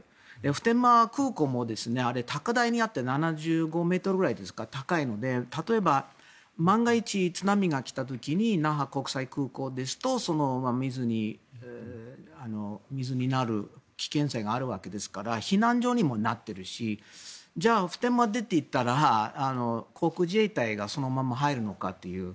普天間は空港も高台にあって７５ｍくらいですか、高いので例えば、万が一津波が来た時に那覇国際空港ですと水になる危険性があるわけですから避難所にもなっているしじゃあ普天間を出ていったら航空自衛隊がそのまま入るのかという。